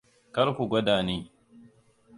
Kar ku gwada ni.